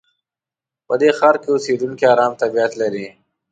په دې ښار کې اوسېدونکي ارام طبیعت لري.